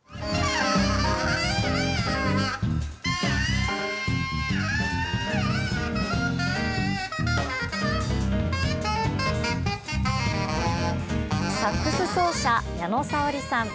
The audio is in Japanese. ＶＴＲ サックス奏者矢野沙織さん。